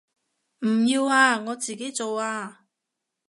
唔要啊，我自己做啊